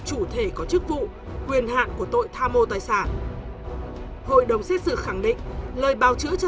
trường để có chức vụ quyền hạn của tội tha mô tài sản hội đồng xét xử khẳng định lời bào chữa cho